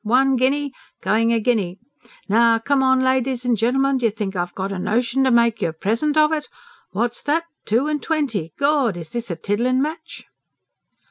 One guinea! Going a guinea! Now, COME on, ladies and gen'elmen! D'ye think I've got a notion to make you a present of it? What's that? Two and twenty? Gawd! Is this a tiddlin' match?"